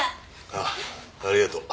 ああありがとう。